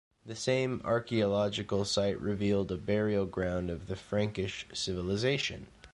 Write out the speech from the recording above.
The same archaeological site revealed a burial-ground of the Frankish civilisation.